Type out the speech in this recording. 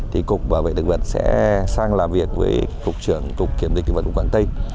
thì cục bảo vệ thực vật sẽ sang làm việc với cục trưởng cục kiểm dịch thực vật cục quảng tây